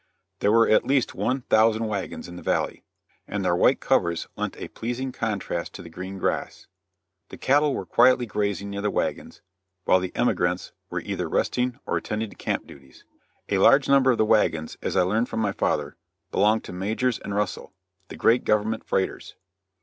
There were at least one thousand wagons in the valley, and their white covers lent a pleasing contrast to the green grass. The cattle were quietly grazing near the wagons, while the emigrants were either resting or attending to camp duties. A large number of the wagons, as I learned from my father, belonged to Majors & Russell, the great government freighters.